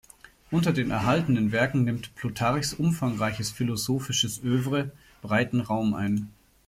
Unter den erhaltenen Werken nimmt Plutarchs umfangreiches philosophisches Œuvre breiten Raum ein.